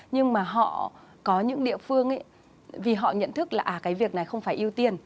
nhưng mà họ có những địa phương vì họ nhận thức là cái việc này không phải ưu tiên